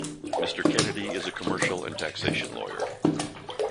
Mr Kennedy is a commercial and taxation lawyer.